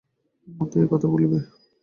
মতি এই কথা বলিবে!